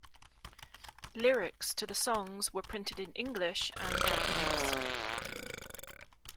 Lyrics to the songs were printed in English and Japanese.